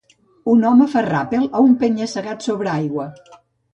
Un home fa ràpel a un penya-segat sobre aigua